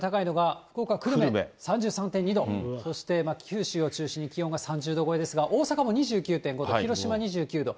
そして九州を中心に気温が３０度超えですが、大阪も２９．５度、広島２９度。